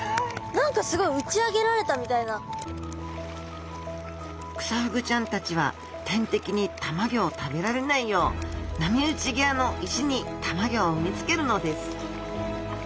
何かすごいクサフグちゃんたちは天敵にたまギョを食べられないよう波打ち際の石にたまギョを産みつけるのです。